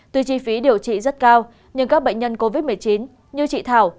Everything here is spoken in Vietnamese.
tuy chi phí điều trị rất cao nhưng các bệnh nhân covid một mươi chín như chị thảo